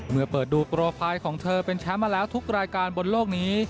เมื่อเปิดดูโปรไฟล์ของเธอเป็นแชมป์มาแล้วทุกรายการบนโลกนี้